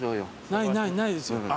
ないないないですよね。